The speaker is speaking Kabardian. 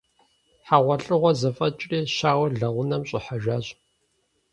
ХьэгъуэлӀыгъуэр зэфӀэкӀри, щауэр лэгъунэм щӀыхьэжащ.